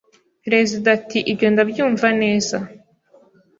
Perezida ati ibyo ndabyumva neza